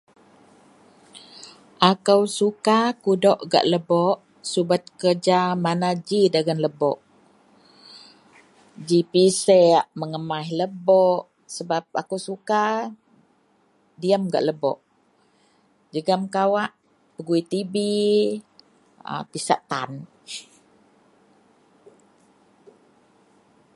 Akou suka kudok gak lebok, subet kerja mana ji dagen lebok, ji piseak, mengemaih lebok, jegem kawak pegui tv a pisak tan